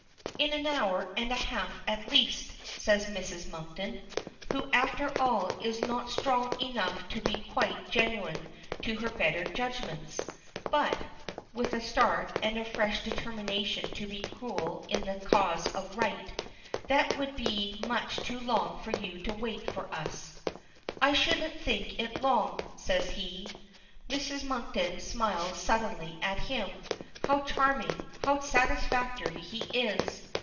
"In an hour and a half at latest," says Mrs. Monkton, who after all is not strong enough to be quite genuine to her better judgments. "But," with a start and a fresh determination to be cruel in the cause of right, "that would be much too long for you to wait for us." "I shouldn't think it long," says he. Mrs. Monkton smiles suddenly at him. How charming how satisfactory he is.